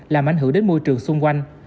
làm ảnh hưởng đến môi trường xung quanh